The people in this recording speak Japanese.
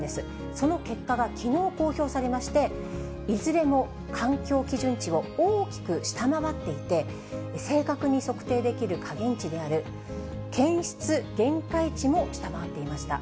その結果がきのう公表されまして、いずれも環境基準値を大きく下回っていて、正確に測定できる下限値である検出限界値も下回っていました。